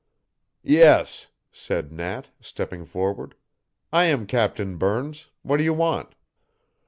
"Yes," said Nat, stepping forward, "I am Captain Burns. What do you want?"